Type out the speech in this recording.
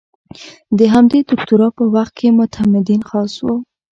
د همدې دوکتورا په وخت کې معتمدین خاص وو.